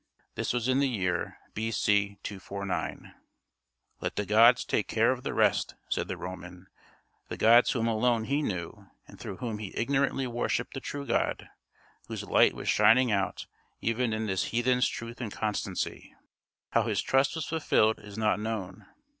This was in the year B.C. 249. "Let the gods take care of the rest," said the Roman; the gods whom alone he knew, and through whom he ignorantly worshiped the true God, whose Light was shining out even in this heathen's truth and constancy. How his trust was fulfilled is not known.